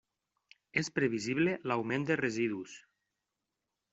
És previsible l'augment de residus.